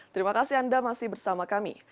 terima kasih anda masih bersama kami